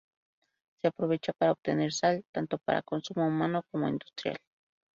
Se aprovecha para obtener sal, tanto para consumo humano como industrial.